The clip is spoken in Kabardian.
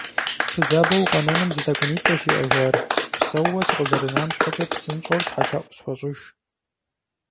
Фызабэу укъэнэным зы тӀэкӀунитӀэщ иӀэжар, псэууэ сыкъызэрынам щхьэкӀэ псынщӀэу тхьэлъэӀу схуэщӀыж.